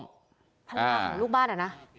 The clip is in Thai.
ภรรยาของลูกบ้านอะนะ